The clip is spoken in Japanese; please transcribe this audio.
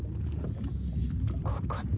ここって。